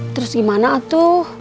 terus gimana atuh